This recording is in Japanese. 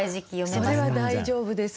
それは大丈夫です。